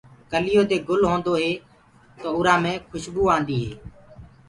ڪليوٚ دي گُل هوندو هي تو اُرو مي کُسبوُ آندي هي۔